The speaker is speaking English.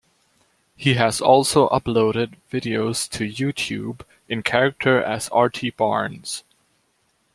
He has also uploaded videos to YouTube, in character as Artie Barnes.